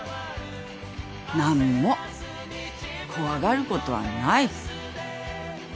何も怖がることはない